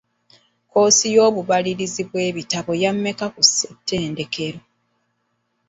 Kkoosi y'obubalirirzi bw'ebitabo ya mmeka ku ssettendekero?